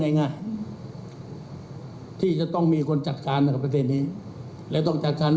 ในง่ายที่จะต้องมีคนจัดการประเทศนี้และต้องจัดการ